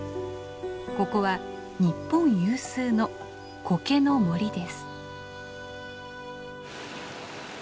ここは日本有数のコケの森です。